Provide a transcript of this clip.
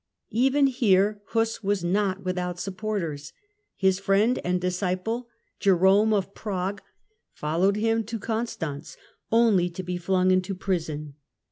Even here Huss was not without supporters. His friend and disciple Jerome of Prague followed him to Constance, only to be flung into prison.